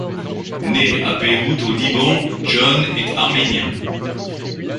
Né à Beyrouth, au Liban, John est arménien.